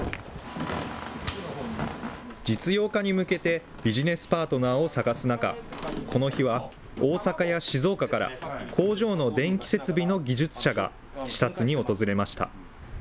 実用化に向けて、ビジネスパートナーを探す中、この日は大阪や静岡から、工場の電気設備の技術者が視察に訪れました。